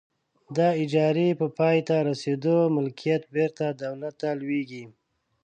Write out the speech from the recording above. د اجارې په پای ته رسیدو ملکیت بیرته دولت ته لویږي.